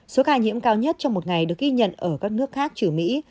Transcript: số ca nhiễm cao nhất trong một ngày được ghi nhận ở các nước khác trừ mỹ